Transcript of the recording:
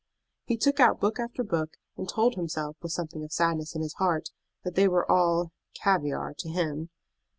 He took out book after book, and told himself, with something of sadness in his heart, that they were all "caviare" to him.